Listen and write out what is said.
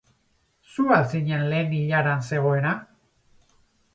Zu al zinen lehen ilaran zegoena?